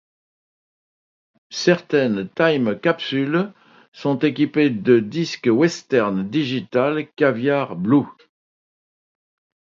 Certaines Time Capsule sont équipées de Disque Western Digital Caviar Blue.